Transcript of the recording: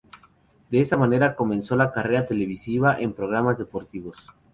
De esta manera comenzó la carrera televisiva en programas deportivos.